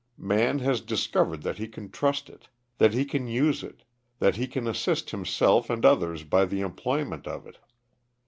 Man has discovered that he can trust it; that he can use it; that he can assist himself and others by the employment of it.